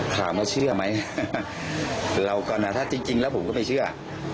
ถามว่าเชื่อไหมเราก็นะถ้าจริงแล้วผมก็ไม่เชื่อ